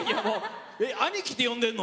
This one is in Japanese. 兄貴って読んでるの？